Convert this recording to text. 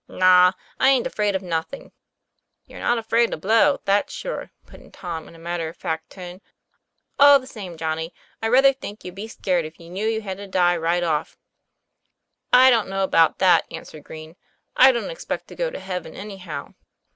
'* Naw I aint afraid of nothing." 'You're not afraid to blow, that's sure," put in Tom, in a matter of fact tone. "All the same, Johnnie, I rather think you'd be scared if you knew you had to die right off." 'I don't know about that," answered Green. ' I don't expect to go to heaven anyhow."